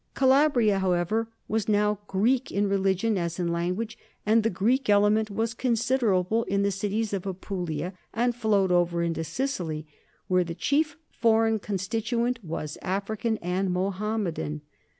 Calabria, however, was THE NORMAN KINGDOM OF SICILY 223 now Greek, in religion as in language, and the Greek element was considerable in the cities of Apulia and flowed over into Sicily, where the chief foreign constit uent was African and Mohammedan.